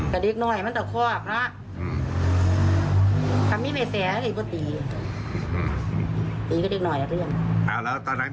แกดีก็หน่อยมันจะเพราะเพราะ